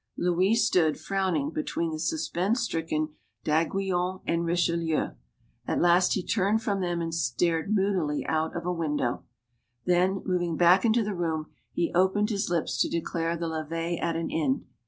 Louis stood, frowning, between the suspense stricken D'Aiguillon and Richelieu. At last 194 STORIES OF THE SUPER WOMEN he turned from them and stared moodily out of a window. Then, moving back into the room, he opened his lips to declare the levee at an end.